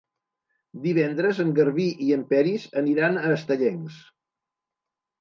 Divendres en Garbí i en Peris aniran a Estellencs.